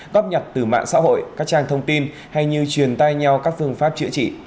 góp nhặt từ mạng xã hội các trang thông tin hay như truyền tay nhau các phương pháp chữa trị